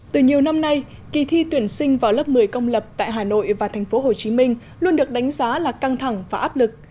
từ nhiều năm nay kỳ thi tuyển sinh vào lớp một mươi công lập tại hà nội và thành phố hồ chí minh luôn được đánh giá là căng thẳng và áp lực